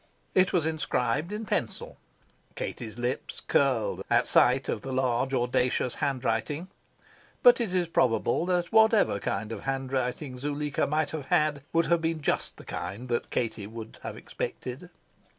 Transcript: It was inscribed in pencil. Katie's lips curled at sight of the large, audacious handwriting. But it is probable that whatever kind of handwriting Zuleika might have had would have been just the kind that Katie would have expected.